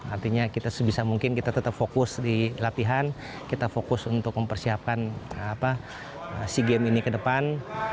artinya kita sebisa mungkin kita tetap fokus di latihan kita fokus untuk mempersiapkan sea games ini ke depan